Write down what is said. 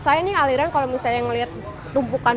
saya ini aliran kalau misalnya ngeliat tumpukan durian